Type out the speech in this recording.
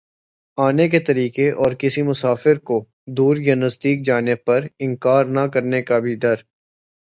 آنے کے طریقے اور کسی مسافر کودور یا نزدیک جانے پر انکار نہ کرنے کا بھی در